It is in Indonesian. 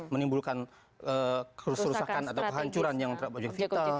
menimbulkan kerusakan atau kehancuran yang terjadi